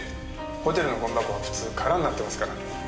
ホテルのゴミ箱は普通空になってますから。